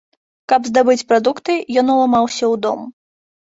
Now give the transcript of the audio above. Каб здабыць прадукты, ён уламаўся ў дом.